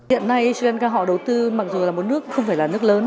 hiện nay sri lanka họ đầu tư mặc dù là một nước không phải là nước lớn